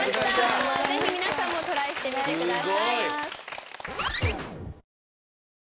ぜひ皆さんもトライしてみてください。